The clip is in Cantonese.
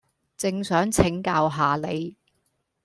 正想請教吓你